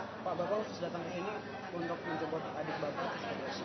pak bapak khusus datang kesini untuk mencoba adik bapak